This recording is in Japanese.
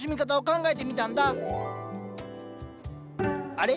あれ？